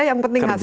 yang penting hasil